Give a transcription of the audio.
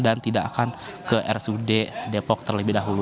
dan tidak akan ke rsud depok terlebih dahulu